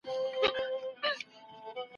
زه مځکي ته نه ګورم.